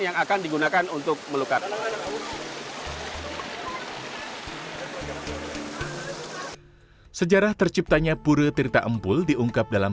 yang akan digunakan untuk meluka sejarah terciptanya pura tirta empul diungkap dalam